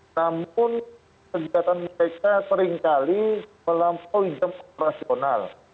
namun kegiatan mereka seringkali melampaui jam operasional